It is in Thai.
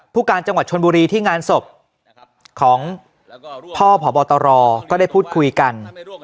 ผู้การจังหวัดชนบุรีที่งานศพของพ่อผอบตรก็ได้พูดคุยกัน